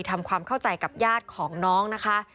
ทำความเข้าใจกับญาติของน้องนะคะ